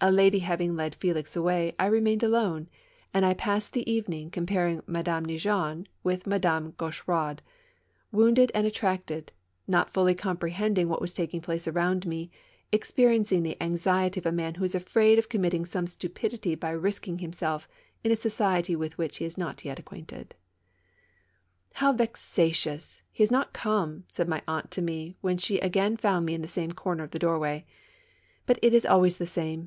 A lady having led Felix awaj^, I remained alone ; and I passed the even ing comparing Madame Neigeon with Madame Gauch eraud, wounded and attracted, not fully comprehending what was taking place around me, experiencing the anxiety of a man who is afraid of committing some stupidity by risking himself in a society with which he is not yet acquainted. 80 TWO CHARMERS. " How vexatious !— lie has not come !" said my aunt to me when she again found me in the same corner of the doorway. "But it's always the same.